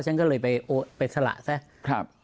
ฉันก็เลยไปสละซะ